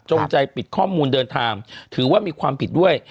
ใจปิดข้อมูลเดินทางถือว่ามีความผิดด้วย